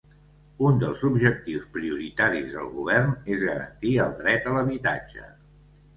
Un dels objectius prioritaris del Govern és garantir el dret a l'habitatge.